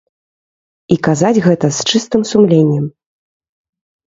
І казаць гэта з чыстым сумленнем.